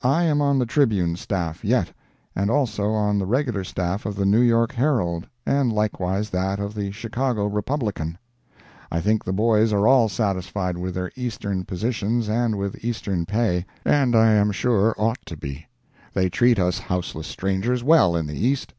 I am on the Tribune staff yet, and also on the regular staff of the New York Herald and likewise that of the Chicago Republican. I think the boys are all satisfied with their Eastern positions and with Eastern pay; and I am sure ought to be. They treat us houseless strangers well in the East.